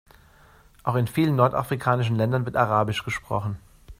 Auch in vielen nordafrikanischen Ländern wird arabisch gesprochen.